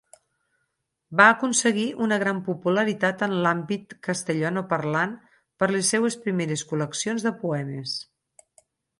Va aconseguir una gran popularitat en l'àmbit castellanoparlant per les seues primeres col·leccions de poemes.